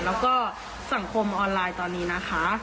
แล้วก็สังคมออนไลน์ตอนนี้นะคะ